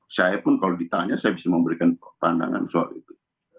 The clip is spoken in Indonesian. saya pun kalau ditanya saya bisa memberikan pandangan soal itu